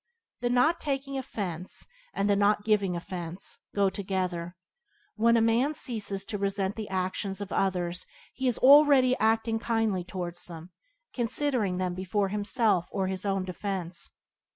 The not taking offence and the not giving offence go together. When a man ceases to resent the actions of others he is already acting kindly towards them, considering them before himself or his own defence.